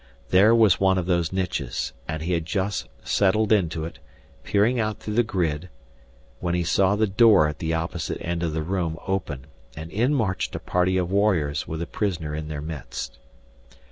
There was one of those niches, and he had just settled into it, peering out through the grid, when he saw the door at the opposite end of the room open and in marched a party of warriors with a prisoner in their midst.